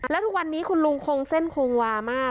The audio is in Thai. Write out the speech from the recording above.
แล้วทุกวันนี้คุณลุงคงเส้นคงวามาก